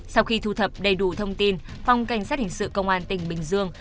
sau khi thu thập đầy đủ thông tin phòng cảnh sát hình sự công an tỉnh bình dương